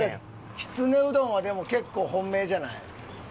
きつねうどんはでも結構本命じゃない？